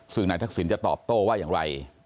ซึ่งนายทักษิณจะตอบโต้ว่าอย่างไร